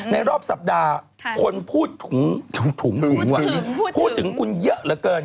ในรอบสัปดาห์คนพูดถึงคุณเยอะเหลือเกิน